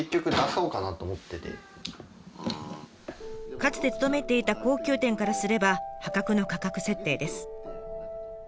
かつて勤めていた高級店からすれば破格の価格設定です。